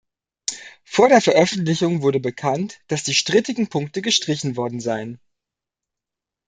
Vor der Veröffentlichung wurde bekannt, dass die strittigen Punkte gestrichen worden seien.